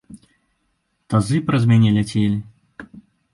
Тазы праз мяне ляцелі!